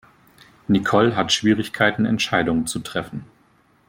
Nicole hat Schwierigkeiten Entscheidungen zu treffen.